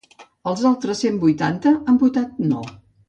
Els altres cent vuitanta han votat no.